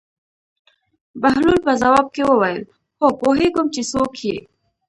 بهلول په ځواب کې وویل: هو پوهېږم چې څوک یې.